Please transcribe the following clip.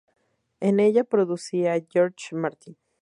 En ella producía George Martin.